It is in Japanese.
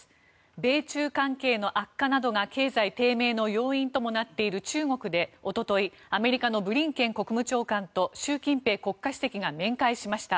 米中関係の悪化などが経済低迷の要因ともなっている中国で一昨日アメリカのブリンケン国務長官と習近平国家主席が面会しました。